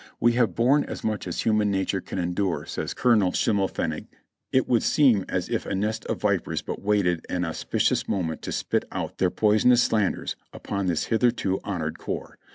"We have borne as much as human nature can endure," says Colonel Schimmelfennig. "It would seem as if a nest of vipers but waited an auspicious moment to spit out their poisonous slanders upon this hitherto honored corps.